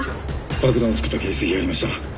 爆弾を作った形跡がありました。